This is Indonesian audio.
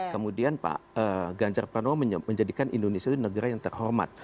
kemudian pak ganjar pranowo menjadikan indonesia itu negara yang terhormat